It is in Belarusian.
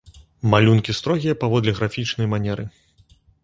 Малюнкі строгія паводле графічнай манеры.